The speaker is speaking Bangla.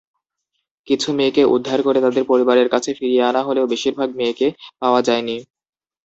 কিছু মেয়েকে উদ্ধার করে তাদের পরিবারের কাছে ফিরিয়ে আনা হলেও, বেশিরভাগ মেয়েকে পাওয়া যায়নি।